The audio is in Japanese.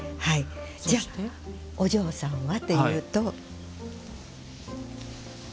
じゃあ、お嬢さんはというと。